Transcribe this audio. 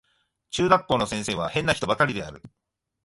中学校の先生は変な人ばかりである